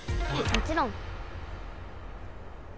もちろん。